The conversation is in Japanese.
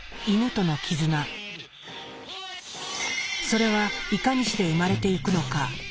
それはいかにして生まれていくのか。